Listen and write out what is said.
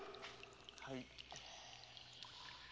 はい。